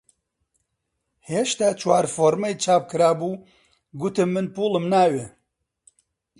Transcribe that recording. هێشتا چوار فۆڕمەی چاپ کرابوو گوتم من پووڵم ناوێ!